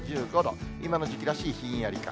今の時期らしいひんやり感。